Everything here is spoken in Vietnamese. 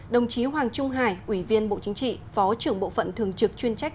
đồng chí hoàng trung hải ủy viên bộ chính trị phó trưởng bộ phận thường trực chuyên trách